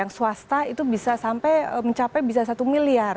yang swasta itu bisa sampai mencapai bisa satu miliar